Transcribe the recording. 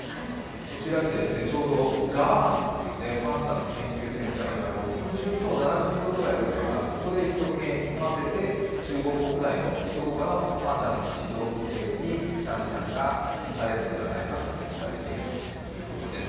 こちらにちょうどガーンというパンダの研究センター、今６０７０頭いるんですが、そこで一度、検疫を済ませて中国国内のパンダの基地、動物園にシャンシャンが移されるのではないかと目されているということです。